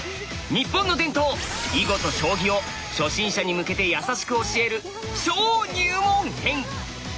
日本の伝統囲碁と将棋を初心者に向けてやさしく教える超入門編！